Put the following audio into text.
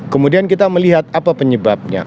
kemudian kita melihat apa penyebabnya